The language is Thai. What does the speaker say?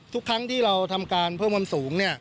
ทุกครั้งที่เราทำการเพิ่มความสูง